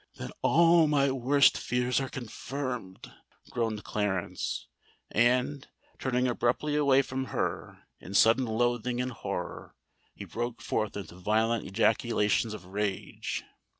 "Then all my worst fears are confirmed!" groaned Clarence; and, turning abruptly away from her in sudden loathing and horror, he broke forth into violent ejaculations of rage.